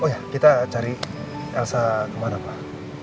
oh ya kita cari elsa kemana pak